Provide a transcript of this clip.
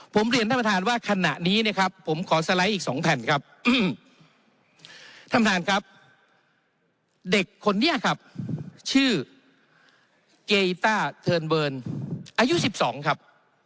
ผมเรียนท่านประธานว่าขณะนี้นะครับผมขอสไลด์อีกสองแผ่นครับท่านประธานครับเด็กคนนี้ครับชื่อเกยต้าเทิร์นเวิร์นอายุ๑๒ครับ